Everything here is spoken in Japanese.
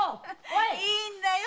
いいんだよ